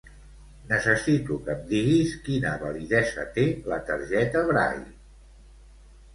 Necessito que em diguis quina validesa té la targeta Braille.